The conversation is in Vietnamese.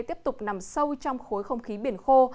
tiếp tục nằm sâu trong khối không khí biển khô